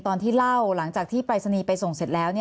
ตอนที่เล่าหลังจากที่ปรายศนีย์ไปส่งเสร็จแล้ว